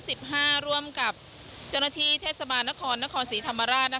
สิบห้าร่วมกับเจ้าหน้าที่เทศบาลนครนครสีธรรมราชนะคะ